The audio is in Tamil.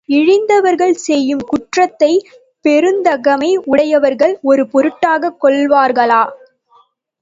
இழிந்தவர்கள் செய்யும் குற்றத்தைப் பெருந்தகைமை உடையவர்கள் ஒரு பொருட்டாகக் கொள்வார்களா?